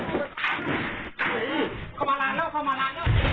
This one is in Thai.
กลุ่มน้ำเบิร์ดเข้ามาร้านแล้ว